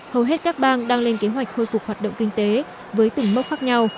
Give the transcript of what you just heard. hầu hết các bang đang lên kế hoạch khôi phục hoạt động kinh tế với từng mốc khác nhau